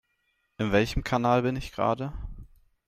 In welchem Kanal bin ich gerade?